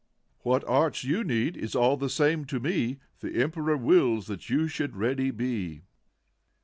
What arts you need, is all the same to me ; The Emperor wills that you should ready be.